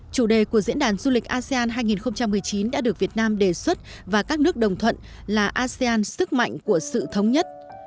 chủ đề của diễn đàn du lịch asean hai nghìn một mươi chín đã được việt nam đề xuất và các nước đồng thuận là asean sức mạnh của sự thống nhất